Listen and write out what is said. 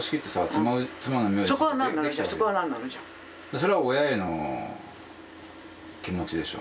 それは親への気持ちでしょ。